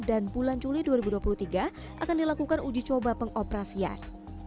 dan bulan juli dua ribu dua puluh tiga akan dilakukan uji coba pengoperasian